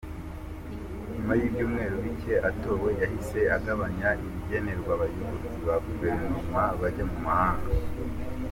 Nyuma y’ibyumweru bike atowe yahise agabanya ibigenerwa abayobozi ba guverinoma bajya mu mahanga.